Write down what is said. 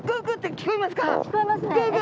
聞こえますね。